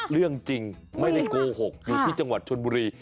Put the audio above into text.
เรื่องจริงไม่ได้โกหกอยู่ที่จังหวัดชนบุรี